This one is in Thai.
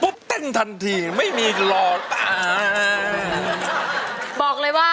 รักเราเหมือนกันเดิม